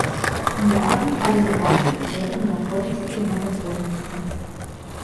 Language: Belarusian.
Можам, але не бачым у гэтым неабходнасці і мэтазгоднасці.